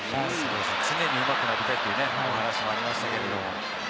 常にうまくなりたいというお話もありました。